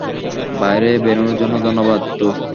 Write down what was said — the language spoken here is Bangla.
বাইরে বেরোনোর জন্য ধন্যবাদ, দোস্ত।